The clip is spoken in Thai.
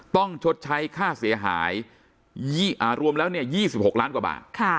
ต้องชดใช้ค่าเสียหายรวมแล้วเนี่ย๒๖ล้านกว่าบาท